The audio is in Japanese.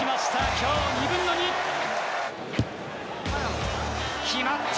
今日、２分の２。決まった！